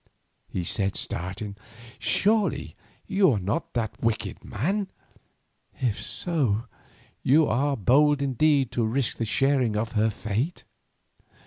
he said, starting, "surely you are not that wicked man? If so, you are bold indeed to risk the sharing of her fate."